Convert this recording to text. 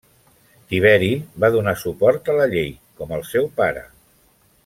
Tiberi va donar suport a la llei com el seu pare.